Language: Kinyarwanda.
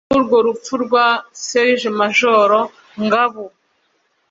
yababajwe n’urwo rupfu rwa Serg Major Ngabu